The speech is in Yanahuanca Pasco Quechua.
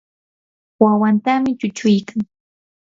wawantami chuchuykan.